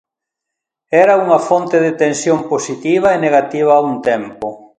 Era unha fonte de tensión positiva e negativa a un tempo.